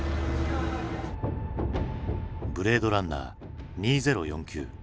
「ブレードランナー２０４９」。